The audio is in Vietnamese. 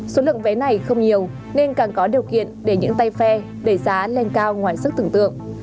số lượng vé này không nhiều nên càng có điều kiện để những tay phe đẩy giá lên cao ngoài sức tưởng tượng